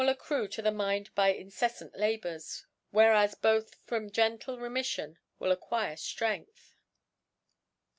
ix 2 * accrue ( 14) accrue to the Mind by inceflant Labours* whereas both from gentle Remiflion will acquire Strength.